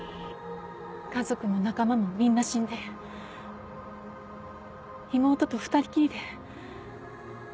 家族も仲間もみんな死んで妹と２人きりで。